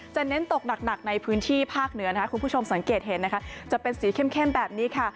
เน้นตกหนักในพื้นที่ภาคเหนือนะคะคุณผู้ชมสังเกตเห็นนะคะจะเป็นสีเข้มแบบนี้ค่ะ